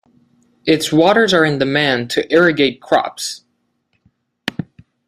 Its waters are in demand to irrigate crops.